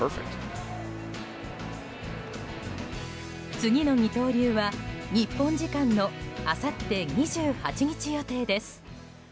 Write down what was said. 次の二刀流は日本時間のあさって２８日予定です。